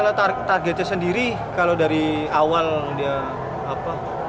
kalau targetnya sendiri kalau dari awal dia apa